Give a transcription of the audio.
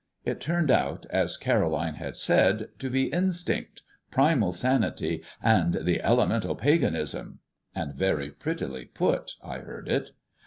It turned out, as Caroline had said, to be Instinct, Primal Sanity, and the Elemental Paganism, and very prettily put I heard it.